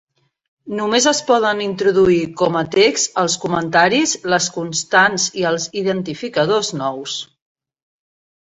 Només es poden introduir com a text els comentaris, les constants i els identificadors nous.